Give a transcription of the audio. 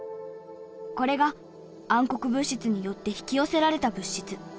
これが暗黒物質によって引き寄せられた物質。